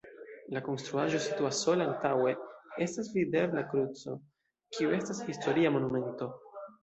La konstruaĵo situas sola, antaŭe estas videbla kruco, kiu estas historia monumento.